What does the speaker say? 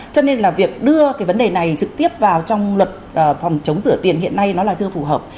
cho nên là việc đưa cái vấn đề này trực tiếp vào trong luật phòng chống rửa tiền hiện nay nó là chưa phù hợp